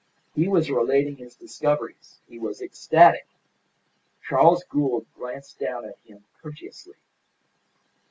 He was relating his discoveries. He was ecstatic. Charles Gould glanced down at him courteously.